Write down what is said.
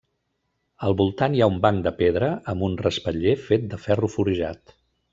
Al voltant hi ha un banc de pedra amb un respatller fet de ferro forjat.